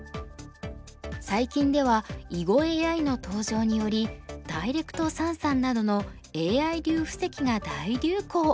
最近では囲碁ＡＩの登場によりダイレクト三々などのＡＩ流布石が大流行。